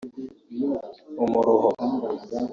umuruho